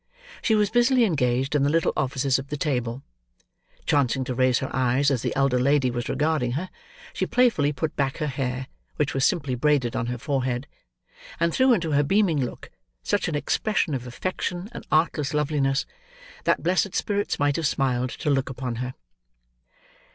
She was busily engaged in the little offices of the table. Chancing to raise her eyes as the elder lady was regarding her, she playfully put back her hair, which was simply braided on her forehead; and threw into her beaming look, such an expression of affection and artless loveliness, that blessed spirits might have smiled to look upon her.